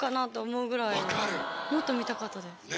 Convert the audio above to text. もっと見たかったです。